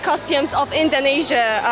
kostum dari penari indonesia